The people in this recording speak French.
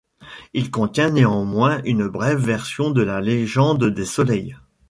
Il contient néanmoins une brève version de la légende des soleils.